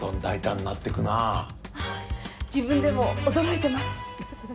自分でも驚いてます。